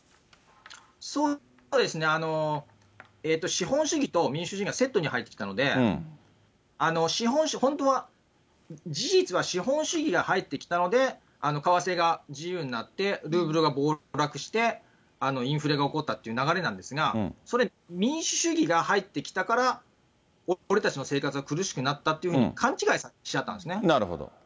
そうですね、資本主義と民主主義がセットに入ってきたので、資本主義、本当は、事実は資本主義が入ってきたので為替が自由になって、ルーブルが暴落して、インフレが起こったって流れなんですが、民主主義が入ってきたから、俺たちの生活が苦しくなったっていうふうに勘違いしちゃったんですね。